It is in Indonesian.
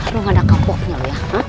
lu gak ada kampungnya lu ya